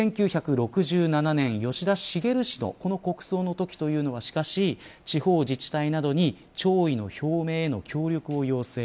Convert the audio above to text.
１９６７年、吉田茂氏の国葬のときというのは、しかし地方自治体などに弔意の表明の協力を要請